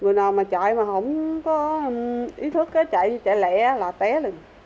người nào mà chạy mà không có ý thức chạy lẹ là té luôn